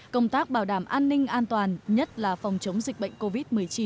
công tác bảo đảm an ninh an toàn nhất là phòng chống dịch bệnh covid một mươi chín